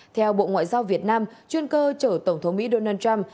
theo bộ ngoại giao việt nam chuyên cơ chở tổng thống mỹ donald trump